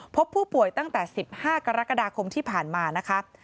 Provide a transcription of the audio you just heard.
พบผู้ป่วยตั้งแต่๑๕กรกฎาคมที่ผ่านมานะคะ